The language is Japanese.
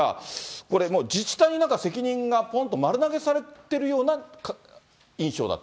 これ、自治体になんか責任がぽんと丸投げされてるような印象だと。